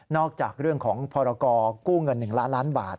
จากเรื่องของพรกู้เงิน๑ล้านล้านบาท